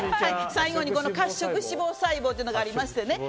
最後に、褐色脂肪細胞というのがありましてね